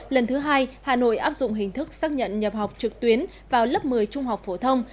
lần thứ hai hà nội áp dụng hình thức xác nhận nhập học trực tuyến vào lớp một mươi trung học phổ thông